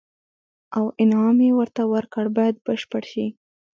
او انعام یې ورته ورکړ باید بشپړ شي.